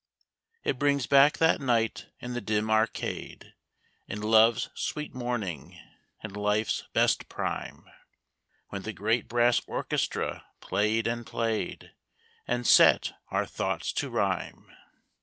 It brings back that night in the dim arcade, In love's sweet morning and life's best prime. When the great brass orchestra played and played. And set our thoughts to rhyme.